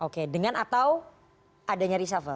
oke dengan atau adanya reshuffle